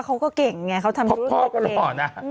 เขาก็เก่งนะเพราะพ่อก็หล่อนะ